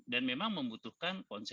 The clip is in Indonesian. dan memang membutuhkan